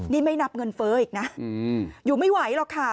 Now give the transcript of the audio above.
นี่ไม่นับเงินเฟ้ออีกนะอยู่ไม่ไหวหรอกค่ะ